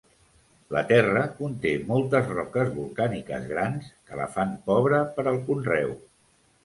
La terra conté moltes roques volcàniques grans que la fan pobra per al conreu.